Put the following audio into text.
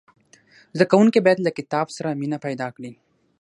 زدهکوونکي باید له کتاب سره مینه پیدا کړي.